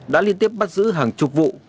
đã liên tiếp bắt giữ hàng chục vụ